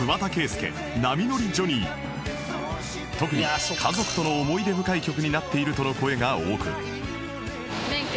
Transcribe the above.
特に家族との思い出深い曲になっているとの声が多く